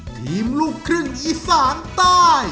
ทีมลูกครึ่งอีสานใต้